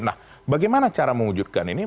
nah bagaimana cara mewujudkan ini